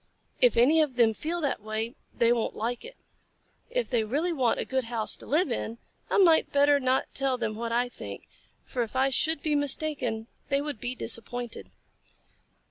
If any of them feel that way, they won't like it. If they really want a good house to live in, I might better not tell them what I think, for if I should be mistaken they would be disappointed."